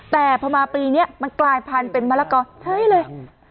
แต่พอมาปีเนี้ยมันกลายพันเป็นมะละกอใช่เลยเออ